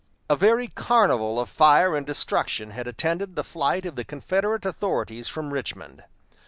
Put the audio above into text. A very carnival of fire and destruction had attended the flight of the Confederate authorities from Richmond.